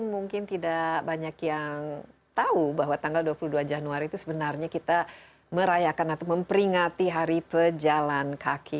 mungkin tidak banyak yang tahu bahwa tanggal dua puluh dua januari itu sebenarnya kita merayakan atau memperingati hari pejalan kaki